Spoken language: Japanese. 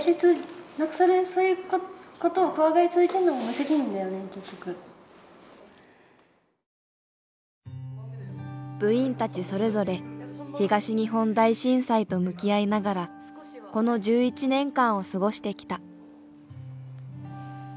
別に部員たちそれぞれ東日本大震災と向き合いながらこの１１年間を過ごしてきた。